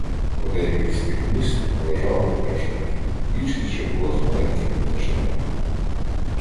По деяких з тих гнізд лежали крашанки, більшість же була з маленькими пташенятами.